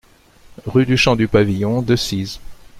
Rue du Champ du Pavillon, Decize